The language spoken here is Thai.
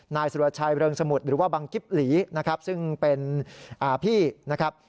นายสุรชัยเริงสมุทรหรือว่าบังกิ๊บหลีนะครับซึ่งเป็นพี่นะครับ